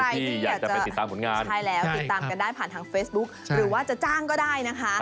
สบายเลยคุณไปฝึกลมหายใจก่อน